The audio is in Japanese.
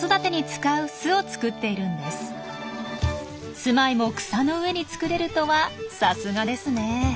住まいも草の上に作れるとはさすがですね。